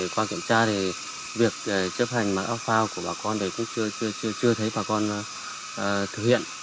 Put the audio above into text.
qua kiểm tra thì việc chấp hành mặc áo phao của bà con cũng chưa thấy bà con thực hiện